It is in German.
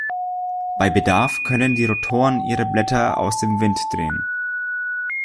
Bei Bedarf können die Rotoren ihre Blätter aus dem Wind drehen.